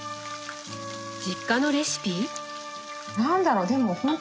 実家のレシピ？